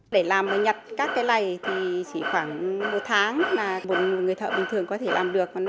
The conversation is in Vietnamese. để làm và nhặt các cái lầy thì chỉ khoảng một tháng là một người thợ bình thường có thể làm được